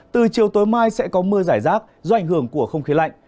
từ chiều tối mai sẽ có mưa giải rác do ảnh hưởng của không khí lạnh